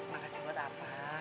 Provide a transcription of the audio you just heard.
makasih buat apa